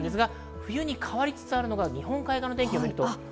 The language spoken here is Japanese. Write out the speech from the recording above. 冬に変わりつつあるのが日本海側の天気です。